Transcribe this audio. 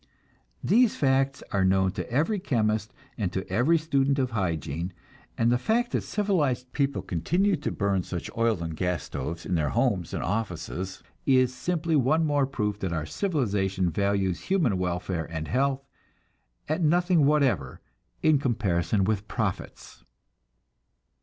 These facts are known to every chemist and to every student of hygiene, and the fact that civilized people continue to burn such oil and gas stoves in their homes and offices is simply one more proof that our civilization values human welfare and health at nothing whatever in comparison with profits.